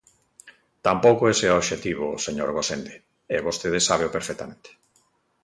Tampouco ese é o obxectivo, señor Gosende, e vostede sábeo perfectamente.